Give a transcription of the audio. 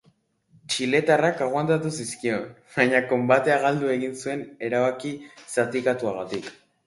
Txiletarrak aguantatu zizkion, baina konbatea galdu egin zuen erabaki zatikatuagatik.